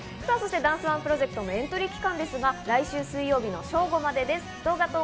ダンスＯＮＥプロジェクトのエントリー期間ですが、来週水曜日の正午までです。